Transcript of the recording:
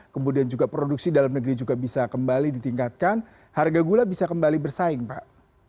kemudian juga produksi dalam negeri juga bisa kembali ditingkatkan harga gula bisa kembali bersaing pak